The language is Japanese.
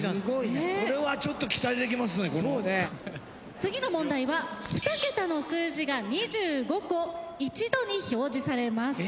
次の問題は２ケタの数字が２５個１度に表示されます。